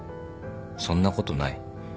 そんなことない。